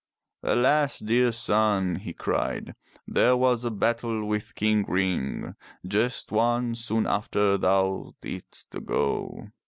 Alas, dear son!'' he cried. There was a battle with King Ring, just one, soon after thou didst go.